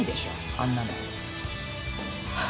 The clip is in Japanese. あんなの。